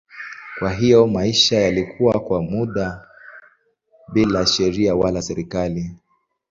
Kwa hiyo maisha yalikuwa kwa muda bila sheria wala serikali.